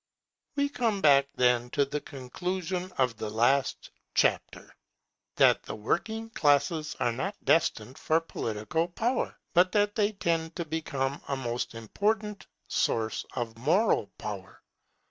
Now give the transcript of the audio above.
We come back, then, to the conclusion of the last chapter; that the working classes are not destined for political power, but that they tend to become a most important source of moral power.